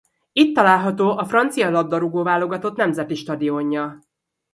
Itt található a francia labdarúgó-válogatott nemzeti stadionja.